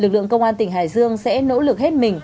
lực lượng công an tỉnh hải dương sẽ nỗ lực hết mình